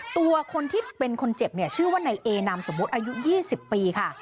ตัวคนที่เป็นคนเจ็บเนี่ยชื่อว่านายเอนามสมมุติอายุ๒๐ปีค่ะ